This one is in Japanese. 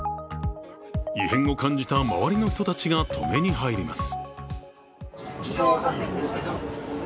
異変を感じた周りの人たちが止めに入ります。